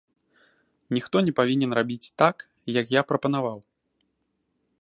Ніхто не павінен рабіць так, як я прапанаваў.